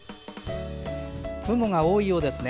雲が多いようですね。